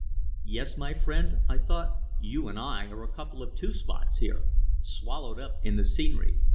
"Yes, my friend," I thought, "you and I are a couple of two spots here, swallowed up in the scenery."